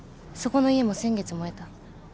そこの家も先月燃えた。